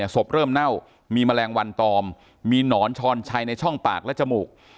ศพเริ่มเน่ามีแมลงวันตอมมีหนอนชอนชัยในช่องปากและจมูก